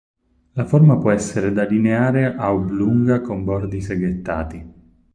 La forma può essere da lineare a oblunga con bordi seghettati.